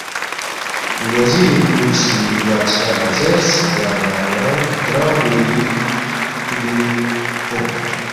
وزیری بُو سی بادشاہ لہ زیرس، ”گوانہ یانگ ترانگ پوری ہرتوُبین اونگ